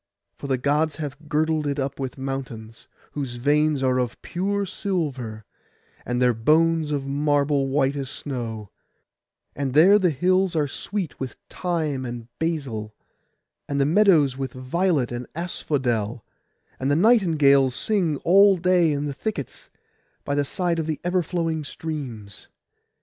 For the Gods have girdled it with mountains, whose veins are of pure silver, and their bones of marble white as snow; and there the hills are sweet with thyme and basil, and the meadows with violet and asphodel, and the nightingales sing all day in the thickets, by the side of ever flowing streams.